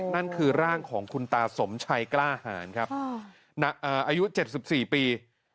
นั่นคือร่างของคุณตาสมชัยกล้าหาญครับอ่าอายุเจ็ดสิบสี่ปี